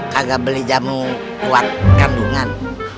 kagak beli jamu kuat kandungan